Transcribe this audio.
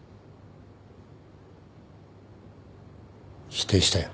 否定したよ。